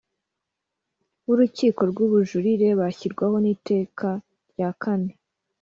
b Urukiko rw Ubujurire bashyirwaho n Iteka rya kane